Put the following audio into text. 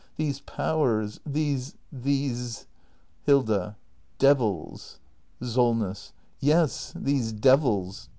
These powers — these — these Hilda. devils Solness. Yes, these devils!